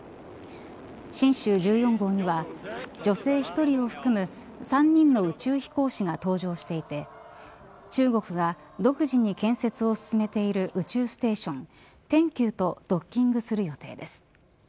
神舟１４号には女性１人を含む３人の宇宙飛行士が搭乗していて中国が独自に建設を進めている宇宙ステーション天宮とドッキングする予定です。